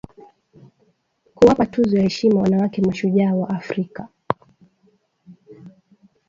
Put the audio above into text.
kuwapa tuzo ya heshima wanawake mashujaa wa Afrika